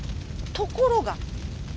ところが。